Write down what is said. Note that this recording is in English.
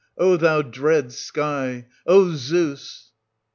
O thou dread sky ! Zeus